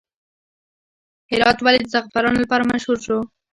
هرات ولې د زعفرانو لپاره مشهور شو؟